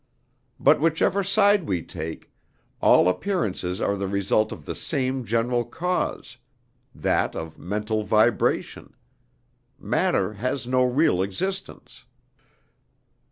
But whichever side we take, all appearances are the result of the same general cause that of mental vibration. Matter has no real existence."